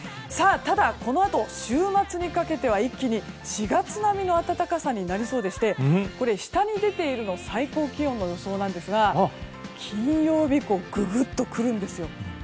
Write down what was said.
ただ、このあと週末にかけては一気に４月並みの暖かさになりそうでして下に出ているのは最高気温の予想ですが金曜日、ググっとくるんですよ。